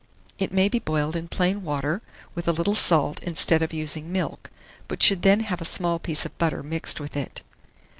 It may be boiled in plain water, with a little salt instead of using milk, but should then have a small piece of butter mixed with it.